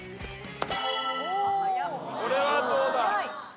これはどうだ？